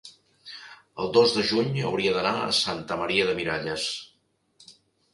el dos de juny hauria d'anar a Santa Maria de Miralles.